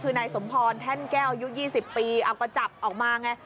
คือนายสมพรแท่นแก้วอายุ๒๐ปีเอาก็จับออกมาไง